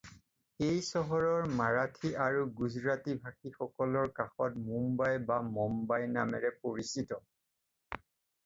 এই চহৰৰ মাৰাঠী আৰু গুজৰাটীভাষীসকলৰ কাষত মুম্বাই বা মম্বাই নামেৰে পৰিচিত।